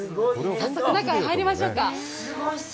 早速中へ入りましょうか。